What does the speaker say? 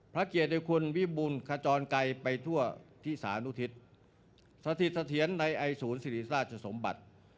พระเกียรติคุณวิบูลขจรไกลไปทั่วที่สานุทิศสถิตเสถียรในไอศูนย์สิริราชสมบัติ